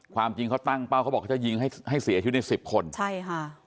ความจริงเขาตั้งเป้าอยากยิงให้เสียชีวิตหลาย๑๐คน